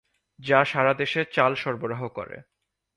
যা সারাদেশে চাল সরবরাহ করে।